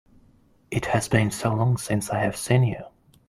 It has been so long since I have seen you!